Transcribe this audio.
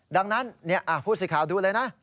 ดังนั้นพูดสิทธิ์ข่าวดูเลยนะ